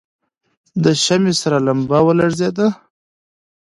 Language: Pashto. د شمعې سره لمبه ولړزېده.